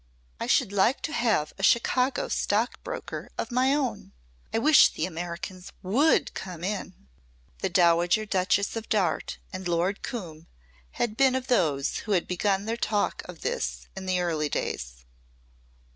I should like to have a Chicago stockbroker of my own. I wish the Americans would come in!" The Dowager Duchess of Darte and Lord Coombe had been of those who had begun their talk of this in the early days.